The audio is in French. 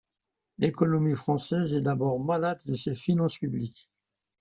L’économie française est d’abord malade de ses finances publiques.